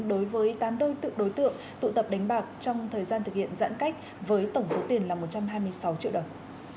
đối với tám đôi tự đối tượng tụ tập đánh bạc trong thời gian thực hiện giãn cách với tổng số tiền là một trăm hai mươi sáu triệu đồng